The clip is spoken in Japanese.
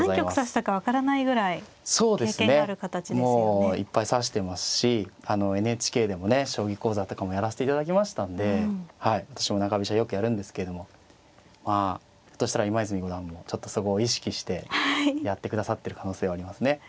もういっぱい指してますしあのＮＨＫでもね「将棋講座」とかもやらせていただきましたんで私も中飛車よくやるんですけれどもまあひょっとしたら今泉五段もちょっとそこを意識してやってくださってる可能性はありますね。